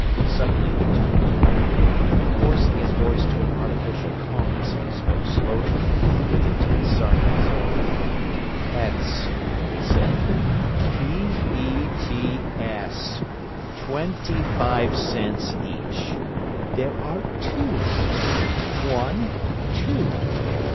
Suddenly he turned to Flannery, and forcing his voice to an artificial calmness spoke slowly but with intense sarcasm. “Pets,” he said “P e t s! Twenty five cents each. There are two of them. One! Two!